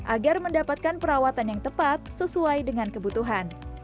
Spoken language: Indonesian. agar mendapatkan perawatan yang tepat sesuai dengan kebutuhan